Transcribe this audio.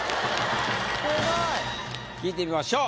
すごい。聞いてみましょう。